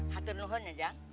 hatur nuhon ya jam